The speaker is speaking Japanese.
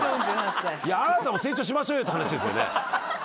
いやあなたも成長しましょうよって話ですよね。